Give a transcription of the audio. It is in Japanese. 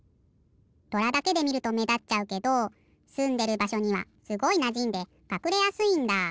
とらだけでみるとめだっちゃうけどすんでるばしょにはすごいなじんでかくれやすいんだ！